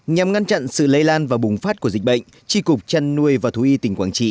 nhằm ngăn chặn sự lây lan và bùng phát của dịch bệnh tri cục trăn nuôi và thú y tỉnh quảng trị